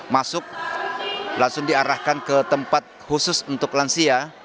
masuk langsung diarahkan ke tempat khusus untuk lansia